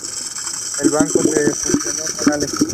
El banco se fusionó con Alex.